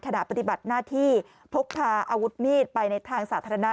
ขณะปฏิบัติหน้าที่พกพาอาวุธมีดไปในทางสาธารณะ